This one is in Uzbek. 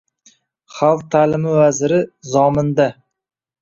Xalq ta’limi vaziri – Zominda